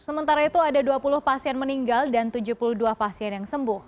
sementara itu ada dua puluh pasien meninggal dan tujuh puluh dua pasien yang sembuh